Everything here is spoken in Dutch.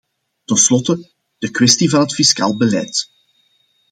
Tenslotte, de kwestie van het fiscaal beleid.